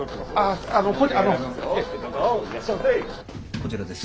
こちらです。